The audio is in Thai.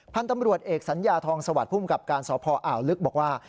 พันธุ์ตำรวจเอกสัญญาทองสวัสดิภูมิกับการสพอ่าวลึกบอกว่า